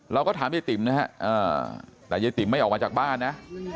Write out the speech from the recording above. เราก็ถามยายติ๋มนะฮะแต่ยายติ๋มไม่ออกมาจากบ้านนะ